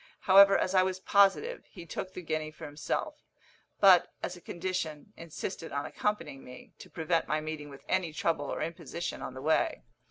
However, as I was positive, he took the guinea for himself; but, as a condition, insisted on accompanying me, to prevent my meeting with any trouble or imposition on the way.